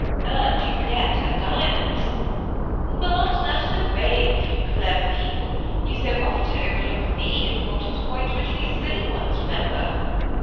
And you forget her diamonds. Bat that is the way with you clever people; you so often overlook the important point which we silly ones remember.